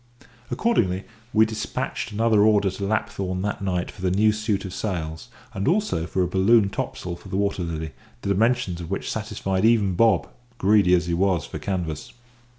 Accordingly, we despatched an order to Lapthorn that night for the new suit of sails, and also for a balloon topsail for the Water Lily, the dimensions of which satisfied even Bob, greedy as he was for canvas.